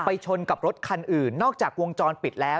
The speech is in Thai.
ชนกับรถคันอื่นนอกจากวงจรปิดแล้ว